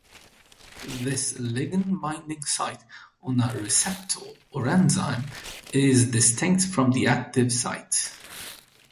This ligand-binding site on a receptor or enzyme is distinct from the active site.